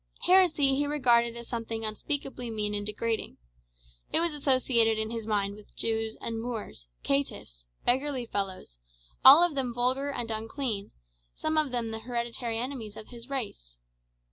Heresy he regarded as something unspeakably mean and degrading. It was associated in his mind with Jews and Moors, "caitiffs," "beggarly fellows;" all of them vulgar and unclean, some of them the hereditary enemies of his race.